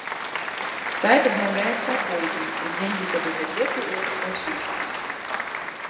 Сайт абнаўляецца апоўдні, у дзень выхаду газеты ў распаўсюджванне.